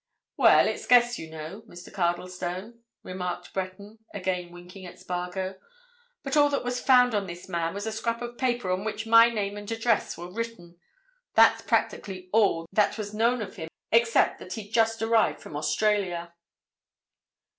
"Well, it's guess, you know, Mr. Cardlestone," remarked Breton, again winking at Spargo. "But all that was found on this man was a scrap of paper on which my name and address were written. That's practically all that was known of him, except that he'd just arrived from Australia."